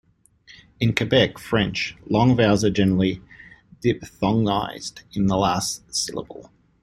In Quebec French, long vowels are generally diphthongized in the last syllable.